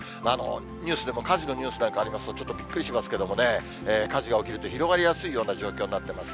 ニュースでも、火事のニュースなんかありますと、ちょっとびっくりしますけどもね、火事が起きると広がりやすいような状況になっています。